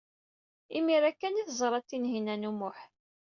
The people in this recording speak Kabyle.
Imir-a kan ay t-teẓra Tinhinan u Muḥ.